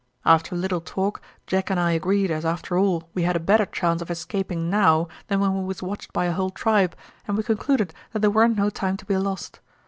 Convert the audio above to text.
"After a little talk Jack and I agreed as after all we had a better chance of escaping now than when we was watched by a hull tribe, and we concluded that there weren't no time to be lost.